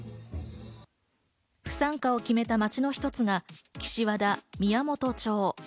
不参加を決めた町の一つが岸和田宮本町。